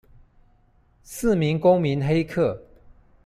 四名公民黑客